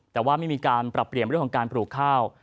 แต่ว่าไม่มีการปรับเปลี่ยนเรื่องของการปลูกข้าว